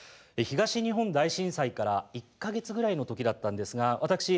東日本大震災から１か月ぐらいの時だったんですが私